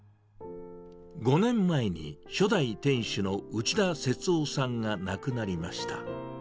５年前に初代店主の内田節夫さんが亡くなりました。